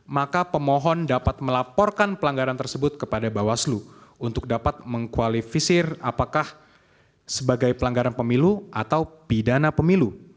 maka pemohon dapat melaporkan pelanggaran tersebut kepada bawaslu untuk dapat mengkualifisir apakah sebagai pelanggaran pemilu atau pidana pemilu